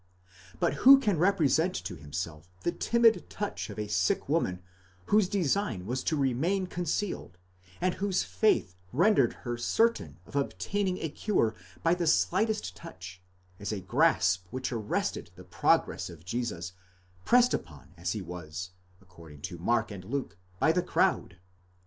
But who can represent to himself the timid touch of a sick woman whose design was to remain concealed, and whose faith rendered her certain of obtaining a cure by the slightest touch, as a grasp which arrested the progress of Jesus, pressed upon as he was, according to Mark and Luke, by the crowd?